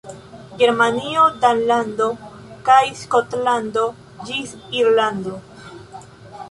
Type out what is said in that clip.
Germanio, Danlando kaj Skotlando, ĝis Irlando.